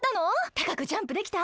たかくジャンプできた？